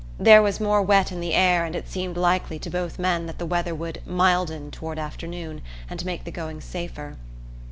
There was more wet in the air and it seemed likely to both men that the weather would "milden" toward afternoon and make the going safer.